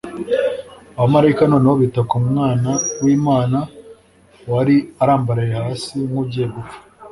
Abamarayika noneho bita ku Mwana w’Imana wari arambaraye hasi nk’ugiye gupfa